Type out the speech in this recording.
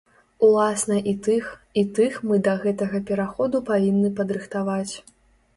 Уласна і тых, і тых мы да гэтага пераходу павінны падрыхтаваць.